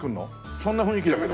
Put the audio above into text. そんな雰囲気だけど。